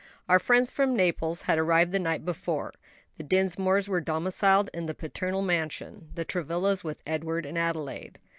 Our friends from Naples had arrived the night before. The Dinsmores were domiciled at the paternal mansion, the Travillas with Edward and Adelaide.